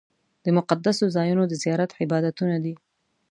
د مقدسو ځایونو د زیارت عبادتونه دي.